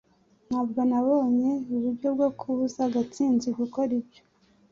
Ntabwo nabonye uburyo bwo kubuza Gatsinzi gukora ibyo